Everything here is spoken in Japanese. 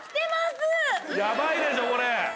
ヤバいでしょこれ。